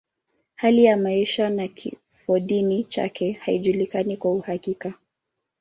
Hali ya maisha na kifodini chake haijulikani kwa uhakika.